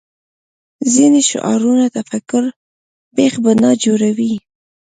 ځینې شعارونه تفکر بېخ بنا جوړوي